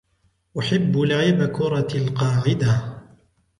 أحب لعب كرة القاعدة.